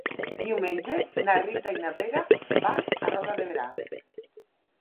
Diumenge na Rita i na Vera van a Roda de Berà.